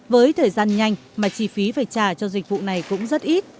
với thời gian nhanh mà chi phí phải trả cho dịch vụ này cũng rất ít